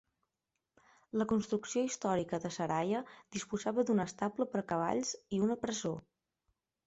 La construcció històrica de Seraya disposava d'un estable per a cavalls i una presó.